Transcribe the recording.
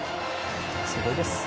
すごいです。